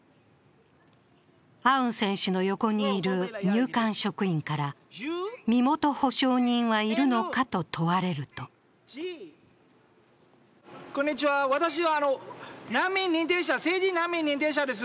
アウン選手の横にいる入管職員から身元保証人はいるのかと問われると私は政治難民認定者です。